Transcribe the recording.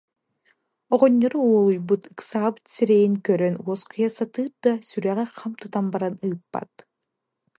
Оҕонньоро уолуйбут, ыксаабыт сирэйин көрөн уоскуйа сатыыр да, сүрэҕэ хам тутан баран ыыппат